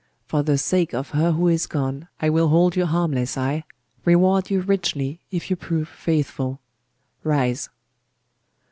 For the sake of her who is gone I will hold you harmless, ay, reward you richly, if you prove faithful. Rise!